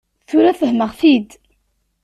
Tura fehmeɣ-t-id.